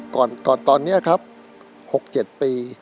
ก่อนตอนนี้ครับ๖๗ปี